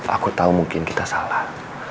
aku tahu mungkin kita salah